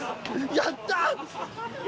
やった！